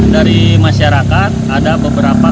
dari masyarakat ada beberapa